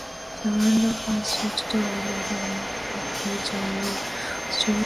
The London flagship store is located in Knightsbridge, a few streets from rival Harrods.